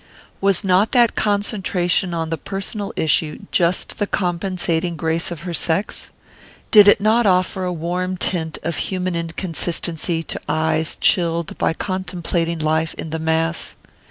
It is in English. Was not that concentration on the personal issue just the compensating grace of her sex? Did it not offer a warm tint of human inconsistency to eyes chilled by contemplating life in the mass?